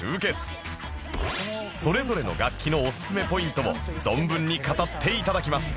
それぞれの楽器のおすすめポイントを存分に語って頂きます